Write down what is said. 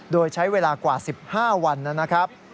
โดยใช้เวลากว่า๑๕วันนะครับ